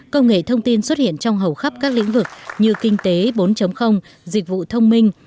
công nghệ thông tin xuất hiện trong hầu khắp các lĩnh vực như kinh tế bốn dịch vụ thông minh